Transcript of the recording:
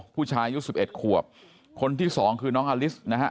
ผู้ชายอายุ๑๑ขวบคนที่สองคือน้องอลิสนะฮะ